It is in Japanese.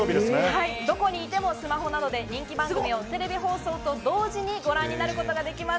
どこにいてもスマホなどで人気番組をテレビ放送と同時にご覧になることができます。